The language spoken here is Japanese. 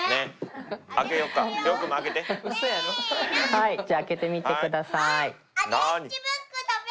はいじゃ開けてみてください。